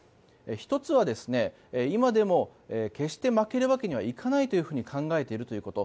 １つは今でも決して負けるわけにはいかないというふうに考えているということ。